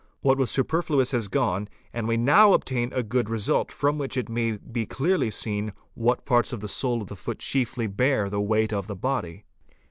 What was superfluous has gone and we now obtain a good | result from which it may be clearly seen what parts of the sole of the — foot chiefly bear the weight of the body.